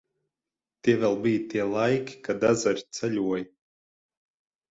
Tie vēl bija tie laiki, kad ezeri ceļoja.